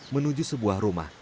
menuju sebuah rumah